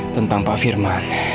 tentang pak firman